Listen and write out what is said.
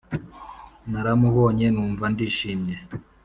Naramubonye numva ndishimye